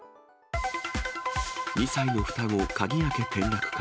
２歳の双子、鍵開け転落か。